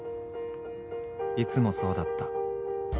［いつもそうだった］